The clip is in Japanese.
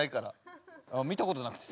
見たことなくてさ。